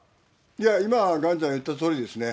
いや、今、岩ちゃんが言ったとおりですね。